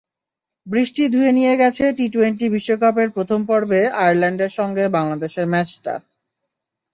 বৃষ্টি ধুয়ে নিয়ে গেছে টি-টোয়েন্টি বিশ্বকাপের প্রথম পর্বে আয়ারল্যান্ডের সঙ্গে বাংলাদেশের ম্যাচটা।